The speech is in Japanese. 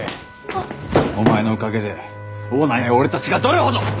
お前のおかげでオーナーや俺たちがどれほど。